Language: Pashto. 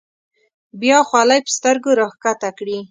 بیا خولۍ په سترګو راښکته کړي.